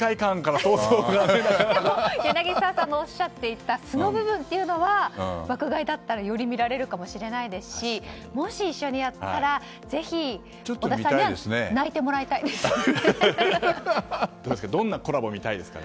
でも柳澤さんもおっしゃっていた素の部分というのは爆買いだったらより見られるかもしれないですしもし一緒にやったら織田さんにはどんなコラボ見たいですか？